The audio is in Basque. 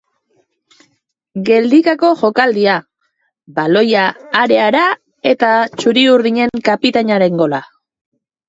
Geldikako jokaldia, baloia areara eta txuri-urdinen kapitainaren gola.